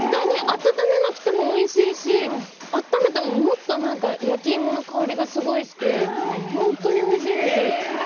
温めなくてもおいしいし温めても、もっと焼き芋の香りがすごいして、本当においしいです。